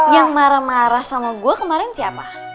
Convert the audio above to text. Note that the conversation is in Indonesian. yang marah marah sama gue kemarin siapa